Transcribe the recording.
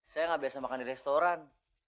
saya nggak biasa makan di restoran